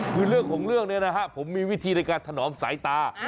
คือเรื่องของเรื่องนี้นะฮะผมมีวิธีในการถนอมสายตา